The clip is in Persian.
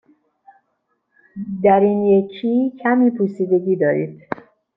در این یکی کمی پوسیدگی دارید.